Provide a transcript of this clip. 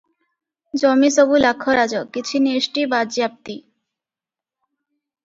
ଜମିସବୁ ଲାଖରାଜ, କିଛି ନିଷ୍ଠୀ ବାଜ୍ୟାପ୍ତି ।